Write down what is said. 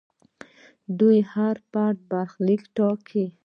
دوی د هر فرد برخلیک ټاکي.